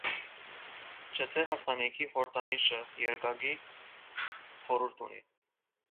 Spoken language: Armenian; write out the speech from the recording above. Չթե հարսանիքի խորհրդանիշը երկակի խորհուրդ ունի։